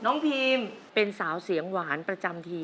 พีมเป็นสาวเสียงหวานประจำที